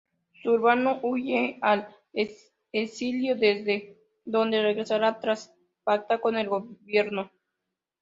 Zurbano huye al exilio, desde donde regresará tras pactar con el gobierno.